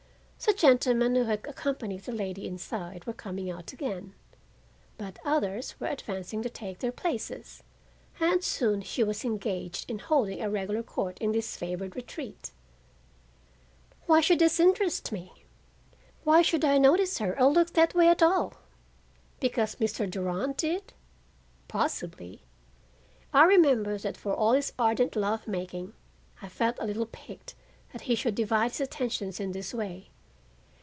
The gentlemen who had accompanied the lady inside were coming out again, but others were advancing to take their places, and soon she was engaged in holding a regular court in this favored retreat. Why should this interest me? Why should I notice her or look that way at all? Because Mr. Durand did? Possibly. I remember that for all his ardent love making, I felt a little piqued that he should divide his attentions in this way.